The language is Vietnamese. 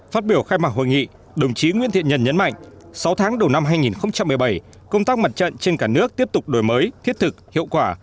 phát biểu khai mạc hội nghị đồng chí nguyễn thiện nhân nhấn mạnh sáu tháng đầu năm hai nghìn một mươi bảy công tác mặt trận trên cả nước tiếp tục đổi mới thiết thực hiệu quả